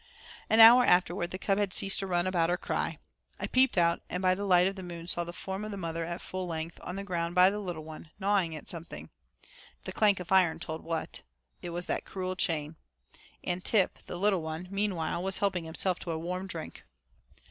An hour afterward the cub had ceased to run about or cry. I peeped out, and by the light of the moon saw the form of the mother at full length on the ground by the little one, gnawing at something the clank of iron told what, it was that cruel chain. And Tip, the little one, meanwhile was helping himself to a warm drink.